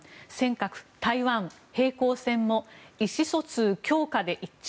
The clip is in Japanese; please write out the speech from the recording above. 尖閣・台湾平行線も意思疎通強化で一致。